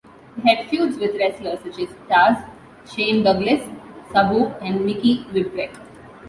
He had feuds with wrestlers such as Taz, Shane Douglas, Sabu, and Mikey Whipwreck.